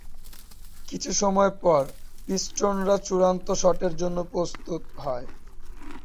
কিছু সময় পর, পিস্টনরা চূড়ান্ত শটের জন্য প্রস্তুত হয়।